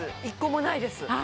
一個もないです